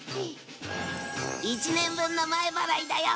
１年分の前払いだよ。